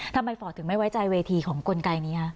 ทำไมฝ่าถึงไม่ไว้ใจเวทีของกลไกนี้